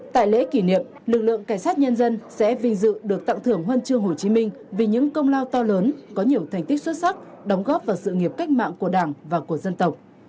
tại lễ kỷ niệm lực lượng cảnh sát nhân dân sẽ vinh dự được tặng thưởng huân chương hồ chí minh vì những công lao to lớn có nhiều thành tích xuất sắc đóng góp vào sự nghiệp cách mạng của đảng và của dân tộc